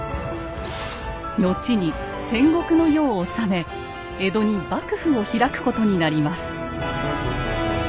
後に戦国の世を治め江戸に幕府を開くことになります。